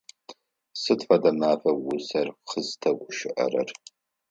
Сыд фэдэ мафа усэр къызтегущыӏэрэр?